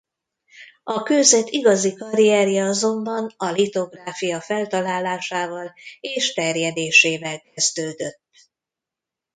A kőzet igazi karrierje azonban a litográfia feltalálásával és terjedésével kezdődött.